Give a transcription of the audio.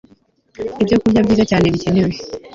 Ibyokurya Byiza Cyane Bikenewe